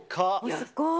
すごい。